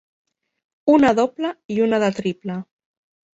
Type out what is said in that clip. Una doble i una de triple.